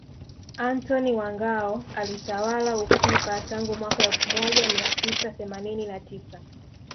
Antony wa Ngao alitawala ufipa tangu mwaka elfu moja mia tisa themanini na tisa